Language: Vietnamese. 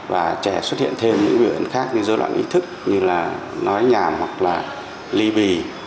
và trẻ xuất hiện thêm những biểu hiện khác như dối loạn ý thức như là nói nhàm hoặc là ly bì